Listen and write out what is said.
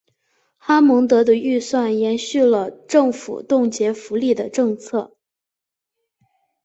哈蒙德的预算延续了政府冻结福利的政策。